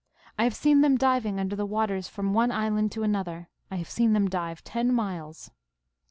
I have seen them diving under the waters from one island to another. I have seen them dive ten miles.